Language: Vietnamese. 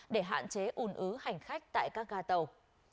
để hạn chế ùn ứ hành khách tại các gà tàu